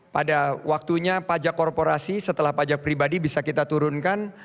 pada waktunya pajak korporasi setelah pajak pribadi bisa kita turunkan